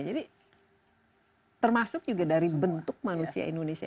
jadi termasuk juga dari bentuk manusia indonesia